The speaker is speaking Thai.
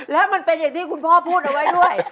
แล้วมันเป็นอย่างที่คุณพ่อพูดเอาไว้ด้วย